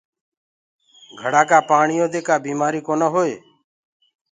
گھڙآ ڪآ پآڻيو دي ڪآ بيمآري ڪونآ هوئي۔